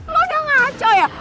lo udah ngaco ya